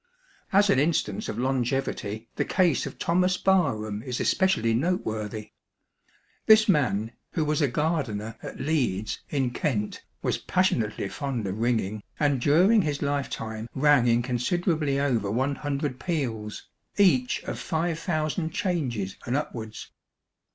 As an instance of longevity, the case of Thomas Barham is especially noteworthy. This man, who was a gardener at Leeds, in Kent, was passionately fond of ringing, and during his lifetime rang in considerably over one hundred peals, each of five thousand changes and upwards.